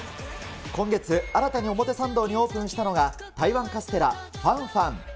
今月、新たに表参道にオープンしたのが、台湾カステラ米米。